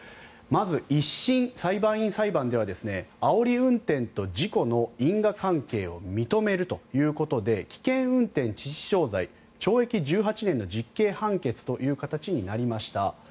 まず１審、裁判員裁判ではあおり運転と事故の因果関係を認めるということで危険運転致死傷罪懲役１８年の実刑判決という形になりました。